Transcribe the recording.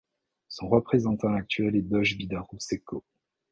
Son représentant actuel est Doge Bidaru Seko.